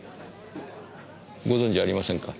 ご存じありませんか？